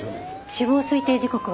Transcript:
死亡推定時刻は？